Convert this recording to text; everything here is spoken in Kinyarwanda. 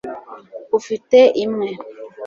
ufite imwe